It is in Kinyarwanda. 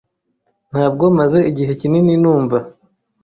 Ntabwo maze igihe kinini numva.